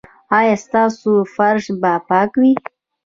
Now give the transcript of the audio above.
ایا ستاسو فرش به پاک وي؟